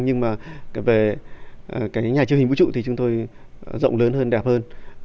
nhưng mà về cái nhà chương hình vũ trụ thì chúng tôi rộng lớn hơn đẹp hơn